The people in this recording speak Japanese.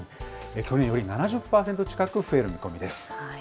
去年より７０％近く増える見込みです。